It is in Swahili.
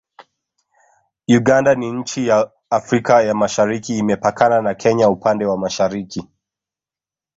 Uganda ni nchi ya Afrika ya Mashariki Imepakana na Kenya upande wa mashariki